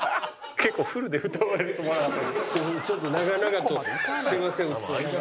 結構フルで歌われると思わなかったんで。